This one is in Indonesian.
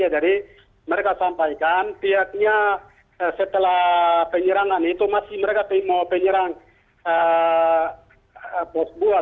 jadi mereka sampaikan pihaknya setelah penyerangan itu masih mereka mau penyerang pos buah